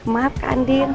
maaf kak andin